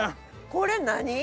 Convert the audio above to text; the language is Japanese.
これ何？